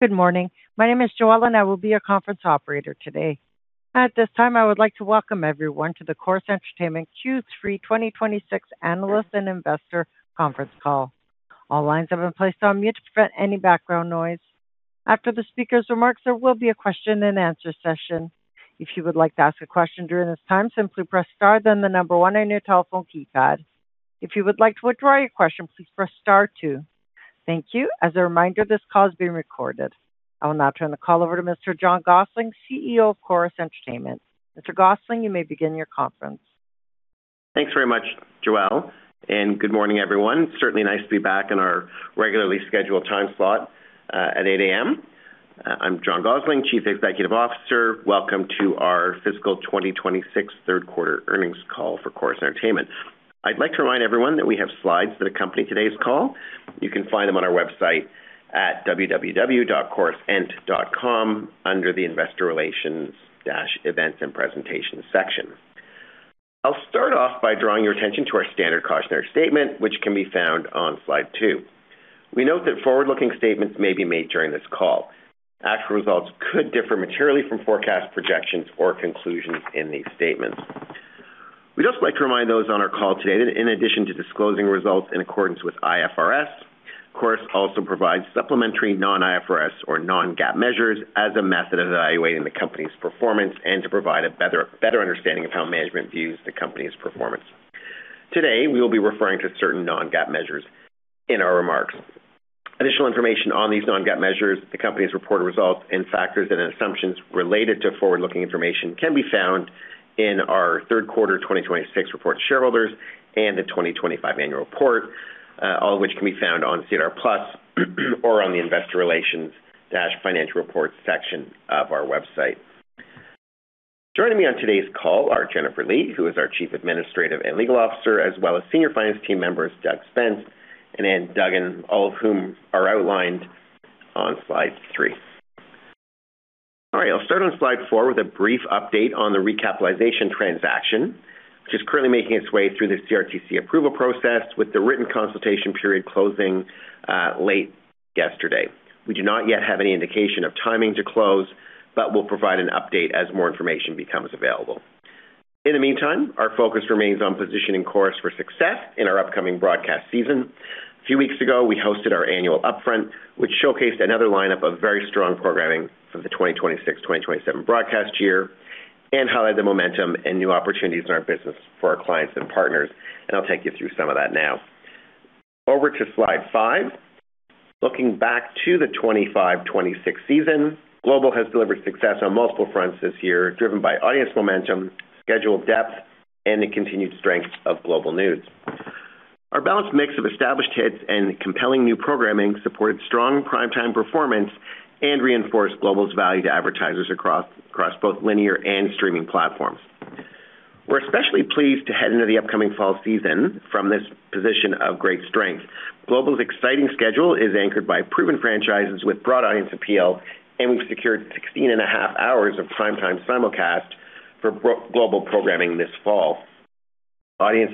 Good morning. My name is Joelle, and I will be your conference operator today. At this time, I would like to welcome everyone to the Corus Entertainment Q3 2026 analyst and investor conference call. All lines have been placed on mute to prevent any background noise. After the speaker's remarks, there will be a question-and-answer session. If you would like to ask a question during this time, simply press star then the number one on your telephone keypad. If you would like to withdraw your question, please press star two. Thank you. As a reminder, this call is being recorded. I will now turn the call over to Mr. John Gossling, CEO of Corus Entertainment. Mr. Gossling, you may begin your conference. Thanks very much, Joelle. Good morning, everyone. Certainly nice to be back in our regularly scheduled time slot at 8:00 A.M. I'm John Gossling, Chief Executive Officer. Welcome to our fiscal 2026 third quarter earnings call for Corus Entertainment. I'd like to remind everyone that we have slides that accompany today's call. You can find them on our website at www.corusent.com under the Investor Relations-Events and Presentations section. I'll start off by drawing your attention to our standard cautionary statement, which can be found on slide two. We note that forward-looking statements may be made during this call. Actual results could differ materially from forecast projections or conclusions in these statements. We'd also like to remind those on our call today that in addition to disclosing results in accordance with IFRS, Corus also provides supplementary non-IFRS or non-GAAP measures as a method of evaluating the company's performance and to provide a better understanding of how management views the company's performance. Today, we will be referring to certain non-GAAP measures in our remarks. Additional information on these non-GAAP measures, the company's reported results, and factors and assumptions related to forward-looking information can be found in our third quarter 2026 report to shareholders and the 2025 annual report, all of which can be found on SEDAR+ or on the Investor Relations-Financial Reports section of our website. Joining me on today's call are Jennifer Lee, who is our Chief Administrative and Legal Officer, as well as senior finance team members Doug Spence and Ann Duggan, all of whom are outlined on slide three. All right, I'll start on slide four with a brief update on the recapitalization transaction, which is currently making its way through the CRTC approval process with the written consultation period closing late yesterday. We do not yet have any indication of timing to close, but we'll provide an update as more information becomes available. In the meantime, our focus remains on positioning Corus for success in our upcoming broadcast season. A few weeks ago, we hosted our annual upfront, which showcased another lineup of very strong programming for the 2026-2027 broadcast year, highlighted the momentum and new opportunities in our business for our clients and partners. I'll take you through some of that now. Over to slide five. Looking back to the 2025-2026 season, Global has delivered success on multiple fronts this year, driven by audience momentum, schedule depth, and the continued strength of Global News. Our balanced mix of established hits and compelling new programming supported strong prime time performance and reinforced Global's value to advertisers across both linear and streaming platforms. We're especially pleased to head into the upcoming fall season from this position of great strength. Global's exciting schedule is anchored by proven franchises with broad audience appeal, and we've secured 16.5 hours of prime time simulcast for Global programming this fall. Audience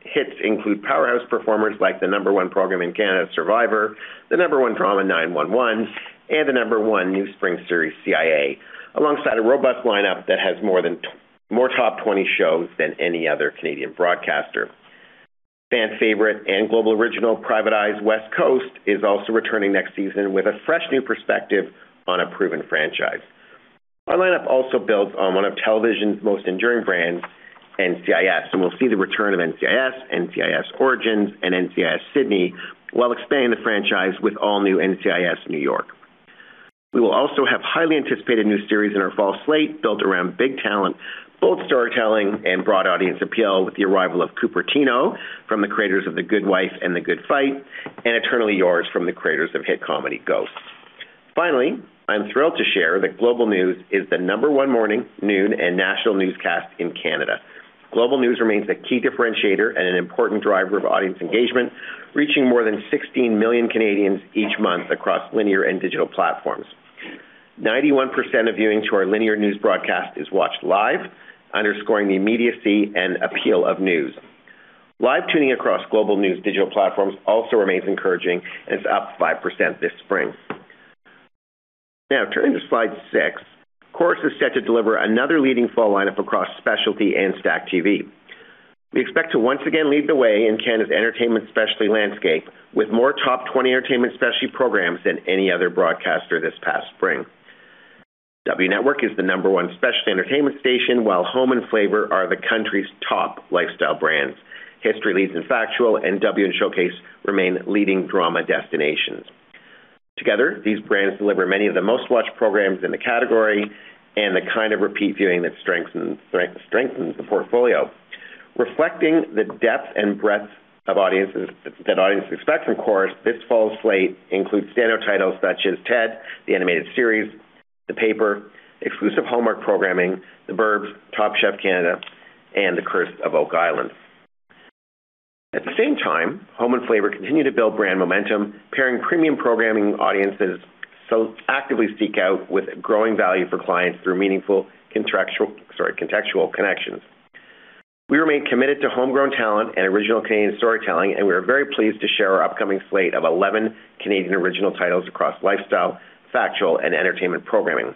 hits include powerhouse performers like the number one program in Canada, "Survivor," the number one drama, "9-1-1," and the number one new spring series, "CIA," alongside a robust lineup that has more top 20 shows than any other Canadian broadcaster. Fan favorite and Global original, "Private Eyes West Coast," is also returning next season with a fresh new perspective on a proven franchise. Our lineup also builds on one of television's most enduring brands, NCIS, and we'll see the return of "NCIS," "NCIS: Origins," and "NCIS: Sydney," while expanding the franchise with all-new "NCIS: New York." We will also have highly anticipated new series in our fall slate built around big talent, bold storytelling, and broad audience appeal with the arrival of "Cupertino" from the creators of "The Good Wife" and "The Good Fight," and "Eternally Yours" from the creators of hit comedy, "Ghosts." Finally, I'm thrilled to share that Global News is the number one morning, noon, and national newscast in Canada. Global News remains a key differentiator and an important driver of audience engagement, reaching more than 16 million Canadians each month across linear and digital platforms. 91% of viewing to our linear news broadcast is watched live, underscoring the immediacy and appeal of news. Live tuning across Global News digital platforms also remains encouraging and is up 5% this spring. Turning to slide six, Corus is set to deliver another leading fall lineup across specialty and STACKTV. We expect to once again lead the way in Canada's entertainment specialty landscape with more top 20 entertainment specialty programs than any other broadcaster this past spring. W Network is the number one specialty entertainment station, while Home Network and Flavour Network are the country's top lifestyle brands. History leads in factual, and W Network and Showcase remain leading drama destinations. Together, these brands deliver many of the most-watched programs in the category and the kind of repeat viewing that strengthens the portfolio. Reflecting the depth and breadth that audiences expect from Corus, this fall's slate includes standout titles such as "Ted: The Animated Series," "The Paper," exclusive Hallmark programming, "The 'Burbs," "Top Chef Canada," and "The Curse of Oak Island." At the same time, Home Network and Flavour Network continue to build brand momentum, pairing premium programming audiences actively seek out with growing value for clients through meaningful contextual connections. We remain committed to homegrown talent and original Canadian storytelling, and we are very pleased to share our upcoming slate of 11 Canadian original titles across lifestyle, factual, and entertainment programming.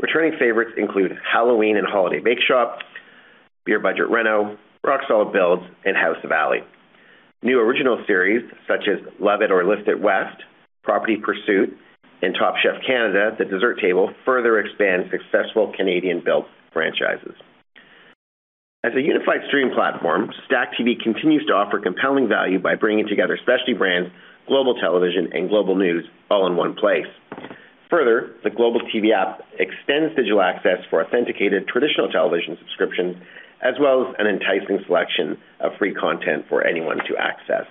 Returning favorites include "Halloween Bakeshop" and "Holiday Bakeshop," "Beer Budget Reno," "Rock Solid Builds," and "House of Ali." New original series such as "Love It or List It West," "Property Pursuit," and "Top Chef Canada: The Dessert Table" further expand successful Canadian-built franchises. As a unified streaming platform, STACKTV continues to offer compelling value by bringing together specialty brands, Global Television, and Global News all in one place. Further, the Global TV app extends digital access for authenticated traditional television subscriptions, as well as an enticing selection of free content for anyone to access.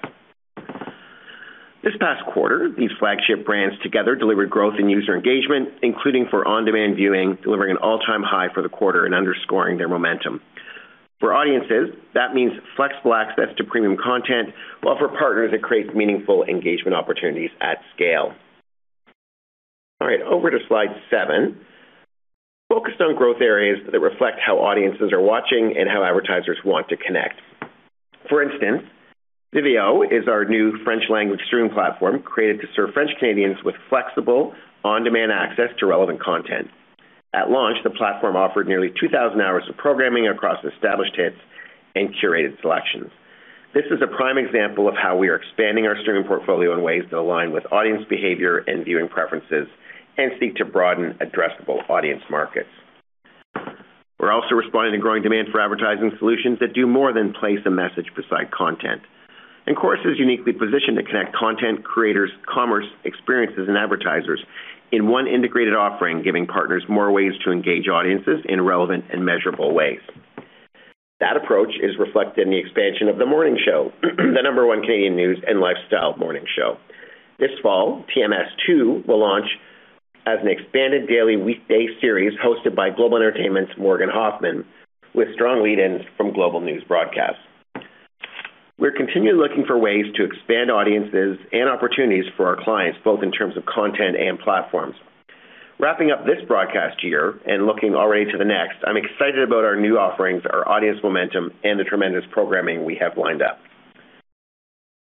This past quarter, these flagship brands together delivered growth in user engagement, including for on-demand viewing, delivering an all-time high for the quarter and underscoring their momentum. For audiences, that means flexible access to premium content, while for partners, it creates meaningful engagement opportunities at scale. All right, over to slide seven, focused on growth areas that reflect how audiences are watching and how advertisers want to connect. For instance, Vivéo is our new French-language streaming platform, created to serve French Canadians with flexible on-demand access to relevant content. At launch, the platform offered nearly 2,000 hours of programming across established hits and curated selections. This is a prime example of how we are expanding our streaming portfolio in ways that align with audience behavior and viewing preferences and seek to broaden addressable audience markets. We're also responding to growing demand for advertising solutions that do more than place a message beside content. Corus is uniquely positioned to connect content creators, commerce experiences, and advertisers in one integrated offering, giving partners more ways to engage audiences in relevant and measurable ways. That approach is reflected in the expansion of The Morning Show, the number one Canadian news and lifestyle morning show. This fall, TMS2 will launch as an expanded daily weekday series hosted by Global Entertainment's Morgan Hoffman, with strong lead-ins from Global News broadcasts. We're continually looking for ways to expand audiences and opportunities for our clients, both in terms of content and platforms. Wrapping up this broadcast year and looking already to the next, I'm excited about our new offerings, our audience momentum, and the tremendous programming we have lined up.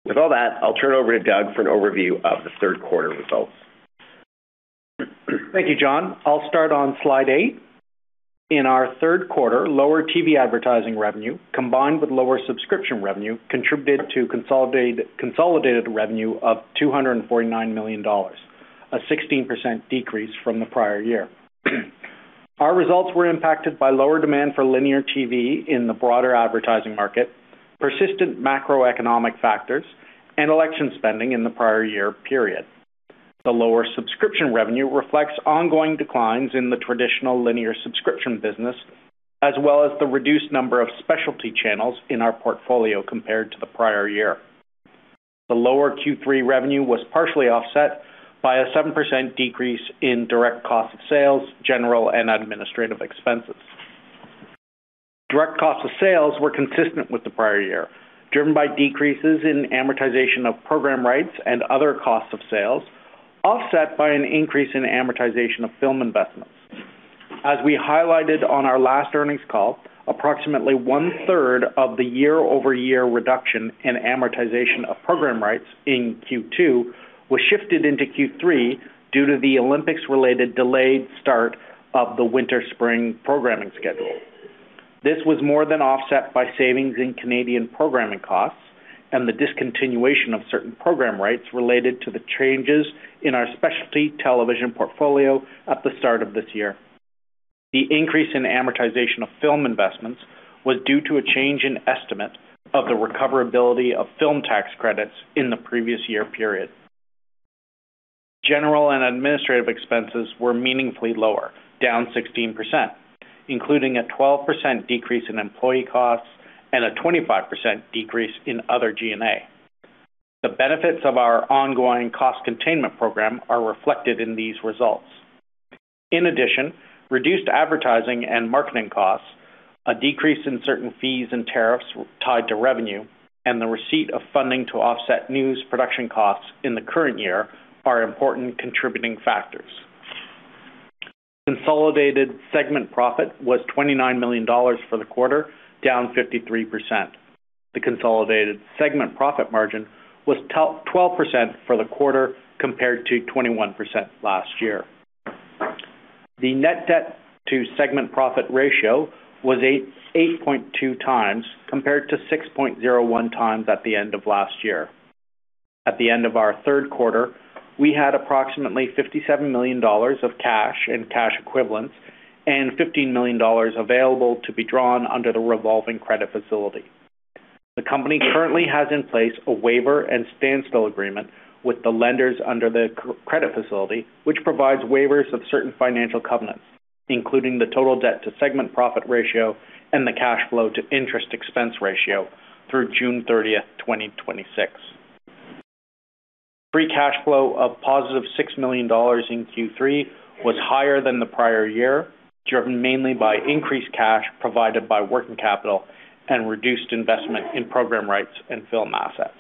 With all that, I'll turn it over to Doug for an overview of the third quarter results. Thank you, John. I'll start on slide eight. In our third quarter, lower TV advertising revenue, combined with lower subscription revenue, contributed to consolidated revenue of 249 million dollars, a 16% decrease from the prior year. Our results were impacted by lower demand for linear TV in the broader advertising market, persistent macroeconomic factors, and election spending in the prior year period. The lower subscription revenue reflects ongoing declines in the traditional linear subscription business, as well as the reduced number of specialty channels in our portfolio compared to the prior year. The lower Q3 revenue was partially offset by a 7% decrease in direct cost of sales, general, and administrative expenses. Direct costs of sales were consistent with the prior year, driven by decreases in amortization of program rights and other costs of sales, offset by an increase in amortization of film investments. As we highlighted on our last earnings call, approximately 1/3 of the year-over-year reduction in amortization of program rights in Q2 was shifted into Q3 due to the Olympics-related delayed start of the winter/spring programming schedule. This was more than offset by savings in Canadian programming costs and the discontinuation of certain program rights related to the changes in our specialty television portfolio at the start of this year. The increase in amortization of film investments was due to a change in estimate of the recoverability of film tax credits in the previous year period. General and administrative expenses were meaningfully lower, down 16%, including a 12% decrease in employee costs and a 25% decrease in other G&A. The benefits of our ongoing cost containment program are reflected in these results. In addition, reduced advertising and marketing costs, a decrease in certain fees and tariffs tied to revenue, and the receipt of funding to offset news production costs in the current year are important contributing factors. Consolidated segment profit was 29 million dollars for the quarter, down 53%. The consolidated segment profit margin was 12% for the quarter, compared to 21% last year. The net debt to segment profit ratio was 8.2x, compared to 6.01x at the end of last year. At the end of our third quarter, we had approximately 57 million dollars of cash and cash equivalents and 15 million dollars available to be drawn under the revolving credit facility. The company currently has in place a waiver and standstill agreement with the lenders under the credit facility, which provides waivers of certain financial covenants, including the total debt to segment profit ratio and the cash flow to interest expense ratio through June 30th, 2026. Free cash flow of positive 6 million dollars in Q3 was higher than the prior year, driven mainly by increased cash provided by working capital and reduced investment in program rights and film assets.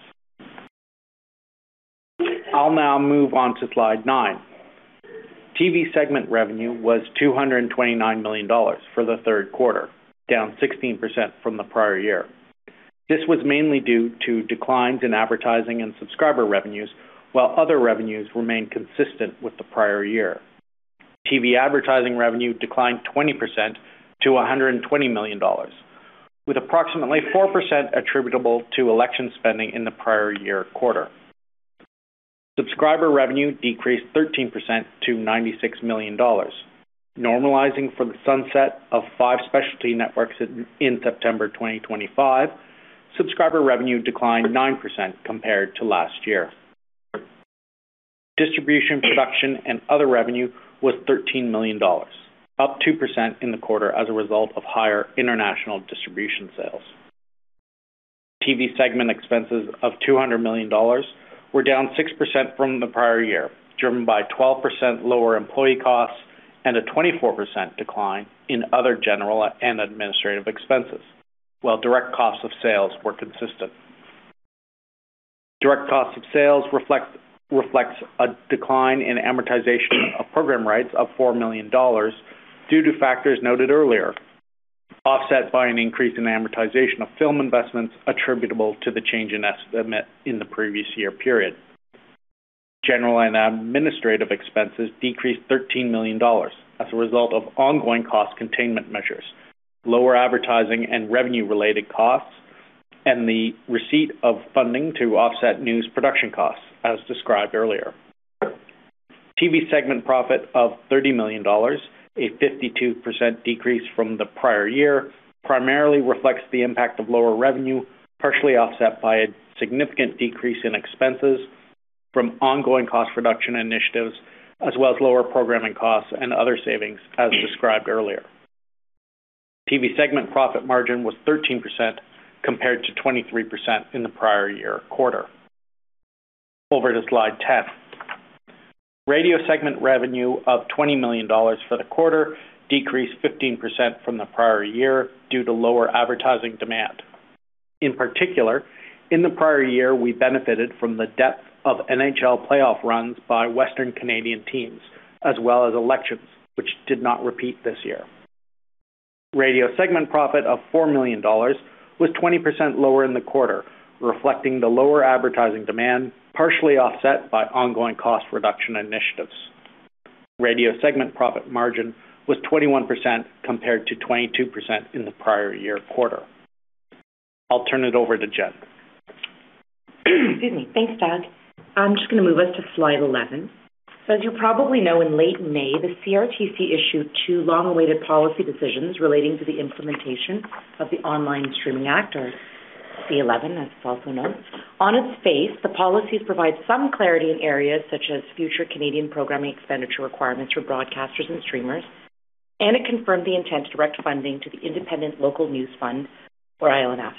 I'll now move on to slide nine. TV segment revenue was 229 million dollars for the third quarter, down 16% from the prior year. This was mainly due to declines in advertising and subscriber revenues, while other revenues remained consistent with the prior year. TV advertising revenue declined 20% to 120 million dollars, with approximately 4% attributable to election spending in the prior year quarter. Subscriber revenue decreased 13% to 96 million dollars. Normalizing for the sunset of five specialty networks in September 2025, subscriber revenue declined 9% compared to last year. Distribution, production, and other revenue was 13 million dollars, up 2% in the quarter as a result of higher international distribution sales. TV segment expenses of 200 million dollars were down 6% from the prior year, driven by 12% lower employee costs and a 24% decline in other general and administrative expenses, while direct costs of sales were consistent. Direct cost of sales reflects a decline in amortization of program rights of 4 million dollars due to factors noted earlier, offset by an increase in amortization of film investments attributable to the change in estimate in the previous year period. General and administrative expenses decreased 13 million dollars as a result of ongoing cost containment measures, lower advertising and revenue-related costs, and the receipt of funding to offset news production costs, as described earlier. TV segment profit of 30 million dollars, a 52% decrease from the prior year, primarily reflects the impact of lower revenue, partially offset by a significant decrease in expenses from ongoing cost reduction initiatives, as well as lower programming costs and other savings, as described earlier. TV segment profit margin was 13% compared to 23% in the prior year quarter. Over to slide 10. Radio segment revenue of 20 million dollars for the quarter decreased 15% from the prior year due to lower advertising demand. In particular, in the prior year, we benefited from the depth of NHL playoff runs by Western Canadian teams, as well as elections, which did not repeat this year. Radio segment profit of 4 million dollars was 20% lower in the quarter, reflecting the lower advertising demand, partially offset by ongoing cost reduction initiatives. Radio segment profit margin was 21% compared to 22% in the prior year quarter. I'll turn it over to Jen. Thanks, Doug. I'm just going to move us to slide 11. As you probably know, in late May, the CRTC issued two long-awaited policy decisions relating to the implementation of the Online Streaming Act, or C-11, as it's also known. On its face, the policies provide some clarity in areas such as future Canadian programming expenditure requirements for broadcasters and streamers, and it confirmed the intent to direct funding to the Independent Local News Fund, or ILNF.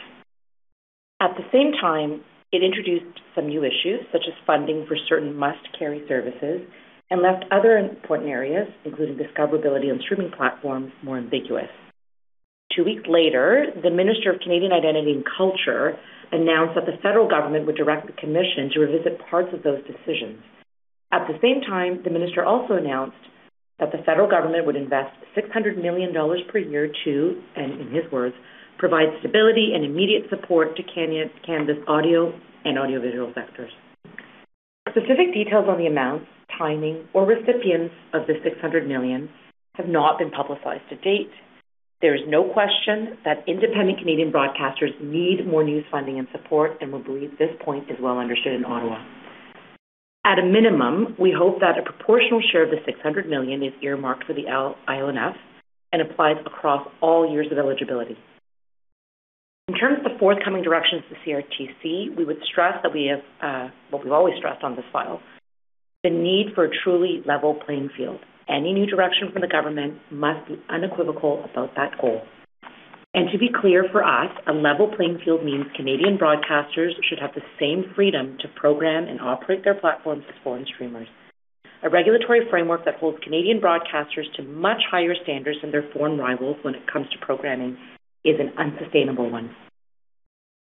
At the same time, it introduced some new issues, such as funding for certain must-carry services, and left other important areas, including discoverability on streaming platforms, more ambiguous. Two weeks later, the Minister of Canadian Identity and Culture announced that the federal government would direct the commission to revisit parts of those decisions. At the same time, the minister also announced that the federal government would invest 600 million dollars per year to, and in his words, "Provide stability and immediate support to Canada's audio and audiovisual sectors." Specific details on the amounts, timing, or recipients of the 600 million have not been publicized to date. There is no question that independent Canadian broadcasters need more news funding and support, and we believe this point is well understood in Ottawa. At a minimum, we hope that a proportional share of the 600 million is earmarked for the ILNF and applies across all years of eligibility. In terms of the forthcoming directions to CRTC, we would stress that we have what we've always stressed on this file, the need for a truly level playing field. Any new direction from the government must be unequivocal about that goal. To be clear, for us, a level playing field means Canadian broadcasters should have the same freedom to program and operate their platforms as foreign streamers. A regulatory framework that holds Canadian broadcasters to much higher standards than their foreign rivals when it comes to programming is an unsustainable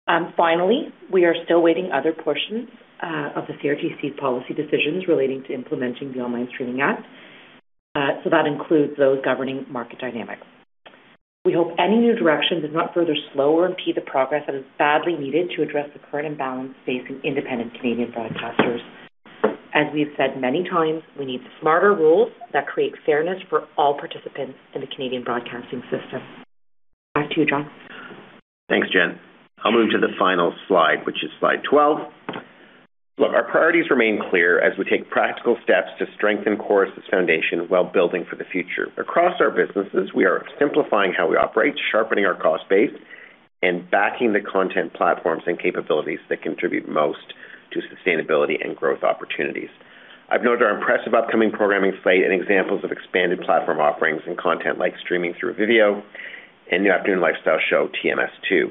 one. Finally, we are still awaiting other portions of the CRTC policy decisions relating to implementing the Online Streaming Act. That includes those governing market dynamics. We hope any new direction does not further slow or impede the progress that is badly needed to address the current imbalance facing independent Canadian broadcasters. As we've said many times, we need smarter rules that create fairness for all participants in the Canadian broadcasting system. Back to you, John. Thanks, Jen. I'll move to the final slide, which is slide 12. Look, our priorities remain clear as we take practical steps to strengthen Corus' foundation while building for the future. Across our businesses, we are simplifying how we operate, sharpening our cost base, and backing the content platforms and capabilities that contribute most to sustainability and growth opportunities. I've noted our impressive upcoming programming slate and examples of expanded platform offerings and content like streaming through Vivéo and new afternoon lifestyle show, TMS2.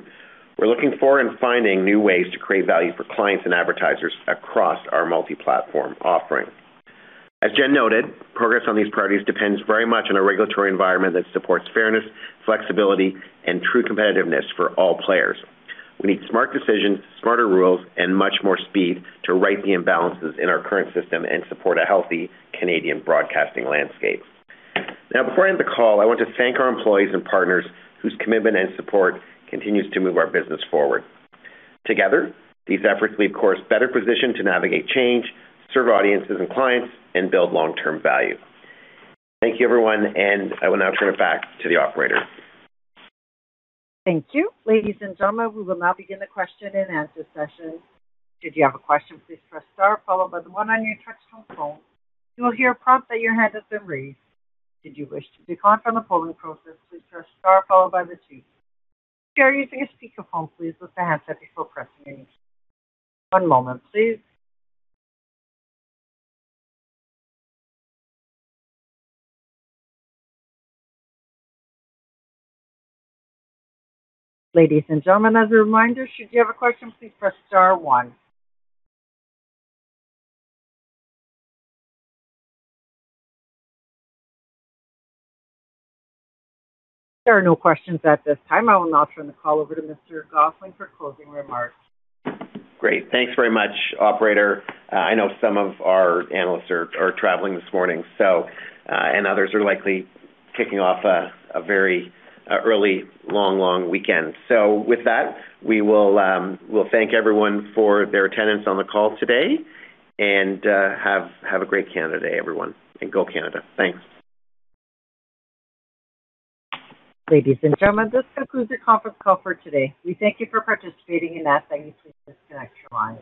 We're looking for and finding new ways to create value for clients and advertisers across our multi-platform offering. As Jen noted, progress on these priorities depends very much on a regulatory environment that supports fairness, flexibility, and true competitiveness for all players. We need smart decisions, smarter rules, and much more speed to right the imbalances in our current system and support a healthy Canadian broadcasting landscape. Before I end the call, I want to thank our employees and partners whose commitment and support continues to move our business forward. Together, these efforts leave Corus better positioned to navigate change, serve audiences and clients, and build long-term value. Thank you, everyone, and I will now turn it back to the operator. Thank you. Ladies and gentlemen, we will now begin the question-and-answer session. Should you have a question, please press star followed by the one on your touchtone phone. You will hear a prompt that your hand has been raised. Should you wish to decline from the polling process, please press star followed by the two. If you are using a speakerphone, please lift the handset before pressing anything. One moment, please. Ladies and gentlemen, as a reminder, should you have a question, please press star one. There are no questions at this time, I will now turn the call over to Mr. Gossling for closing remarks. Great. Thanks very much, operator. I know some of our analysts are traveling this morning, and others are likely kicking off a very early, long weekend. With that, we'll thank everyone for their attendance on the call today, and have a great Canada Day, everyone, and go Canada. Thanks. Ladies and gentlemen, this concludes the conference call for today. We thank you for participating and ask that you disconnect your lines.